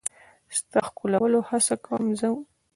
ستا ښکلولو هڅه ځکه کوم.